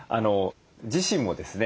自身もですね